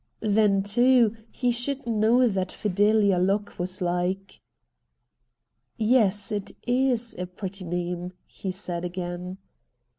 Then, too, he should know what Fidelia Locke was like. ' Yes, it is a pretty name,' he said again.